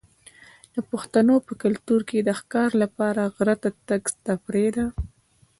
د پښتنو په کلتور کې د ښکار لپاره غره ته تګ تفریح ده.